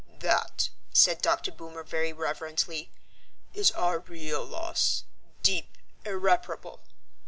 "That," said Dr. Boomer very reverently, "is our real loss, deep, irreparable.